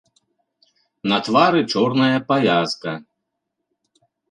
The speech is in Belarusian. На твары чорная павязка.